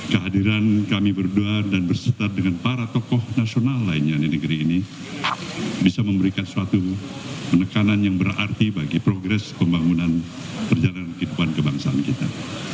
kehadiran kami berdua dan berserta dengan para tokoh nasional lainnya di negeri ini bisa memberikan suatu penekanan yang berarti bagi progres pembangunan perjalanan kehidupan kebangsaan kita